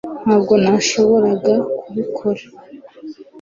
ntabwo nashoboraga kubikora